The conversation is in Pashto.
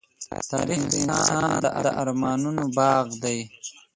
تاریخ د انسان د ارمانونو باغ دی.